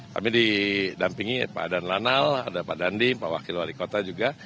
kami didampingi pak dan lanal ada pak dandi pak wakil wali kota juga